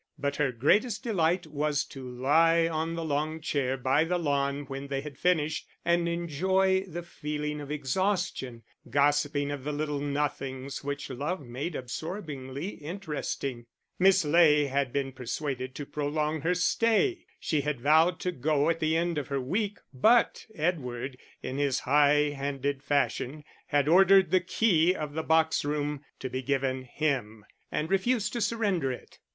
But her greatest delight was to lie on the long chair by the lawn when they had finished, and enjoy the feeling of exhaustion, gossiping of the little nothings which love made absorbingly interesting. Miss Ley had been persuaded to prolong her stay. She had vowed to go at the end of her week; but Edward, in his high handed fashion, had ordered the key of the box room to be given him, and refused to surrender it.